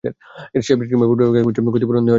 সে ভিক্টিমের পরিবারকে খুঁজছে, ক্ষতিপূরণ দেওয়ার জন্য।